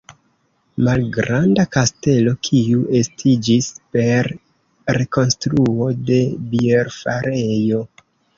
Malgranda kastelo, kiu estiĝis per rekonstruo de bierfarejo.